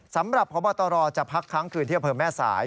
สำหรับพบตรจะพักทั้งคืนเที่ยวเพิ่มแม่สาย